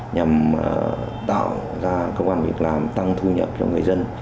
nhằm tạo ra cơ quan việt nam tăng thu nhập cho người dân